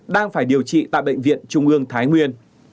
đang phải điều trị tại bệnh viện trung ương thái nguyên